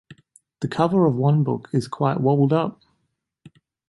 The cover of one book is quite wobbled up.